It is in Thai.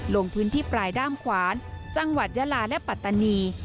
ลงพื้นที่ปลายด้ามขวานจังหวัดยาลาและปัตตานี